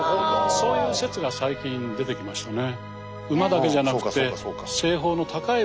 そういう説が最近出てきましたね。